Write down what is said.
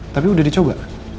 tapi udah dicoba